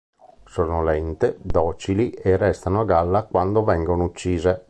Sono lente, docili e restano a galla quando vengono uccise.